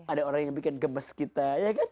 ada orang yang bikin gemes kita